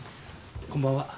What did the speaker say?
こんばんは。